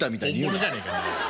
本物じゃねえか。